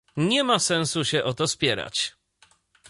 Nie ma sensu się o to spierać